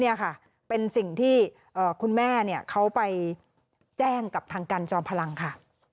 นี่ค่ะเป็นสิ่งที่คุณแม่เขาไปแจ้งกับทางกันจอมพลังค่ะ